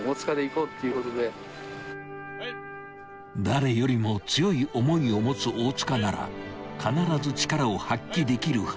［誰よりも強い思いを持つ大塚なら必ず力を発揮できるはず］